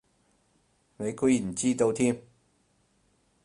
你居然知道添